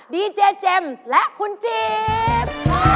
ดีเจเจมส์และคุณจิ๊บ